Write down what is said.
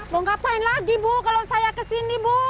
mau ngapain lagi bu kalau saya kesini bu